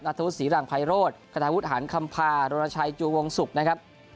ธุศรีหลังไพโรธคณาวุฒิหารคำพารณชัยจูวงศุกร์นะครับ